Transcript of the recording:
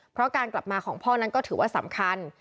เพราะการกลับมาของพ่อนั้นก็ถือว่าสำคัญ